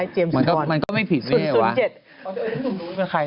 เจมส์มอย